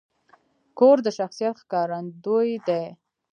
کور د شخصیت ښکارندوی دی.